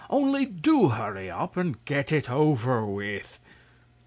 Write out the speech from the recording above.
Only, do hurry up and get it over with!"